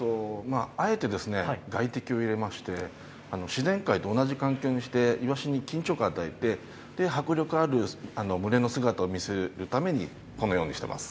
あえて外敵を入れまして、自然界と同じ環境にしてイワシに緊張感を与えて、迫力ある群れの姿を見せるようにこのようにしています。